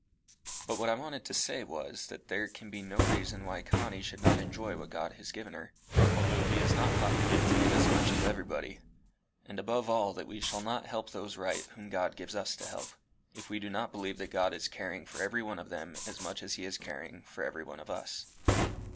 But what I wanted to say was, that there can be no reason why Connie should not enjoy what God has given her, although he has not thought fit to give as much to everybody; and above all, that we shall not help those right whom God gives us to help, if we do not believe that God is caring for every one of them as much as he is caring for every one of us.